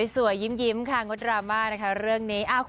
สวยยิ้มค่ะงดดราม่านะคะเรื่องนี้